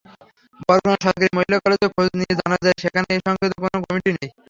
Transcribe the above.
বরগুনা সরকারি মহিলা কলেজে খোঁজ নিয়ে জানা যায়, সেখানে এ-সংক্রান্ত কোনো কমিটি নেই।